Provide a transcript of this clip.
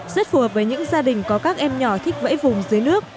rất phù hợp với những gia đình có các em nhỏ thích vẽ vùng dưới nước